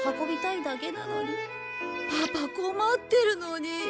パパ困ってるのに。